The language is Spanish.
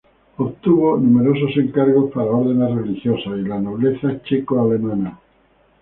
Obtuvo numerosos encargos para órdenes religiosas y la nobleza checo-alemana.